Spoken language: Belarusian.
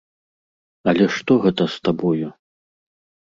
Але што гэта з табою?